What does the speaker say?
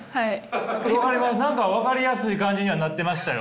何か分かりやすい感じにはなってましたよ。